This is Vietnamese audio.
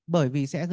bởi vì sẽ gây ra gì